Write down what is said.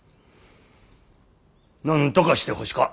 なんとかしてほしか。